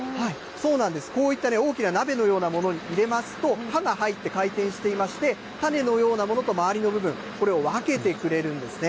こういった大きな鍋のようなものに入れますと、刃が入って回転してまして、種のようなものと周りの部分、これを分けてくれるんですね。